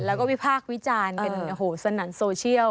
แล้วก็วิภาควิจารณ์กันสนันโซเชียล